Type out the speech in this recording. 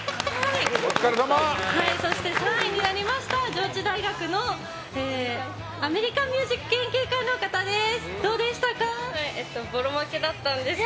そして、３位になりました上智大学のアメリカンミュージック研究会の方です。